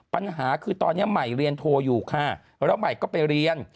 ปัญหาคือตอนนี้ใหม่เรียนโทรอยู่ค่ะแล้วใหม่ก็ไปเรียน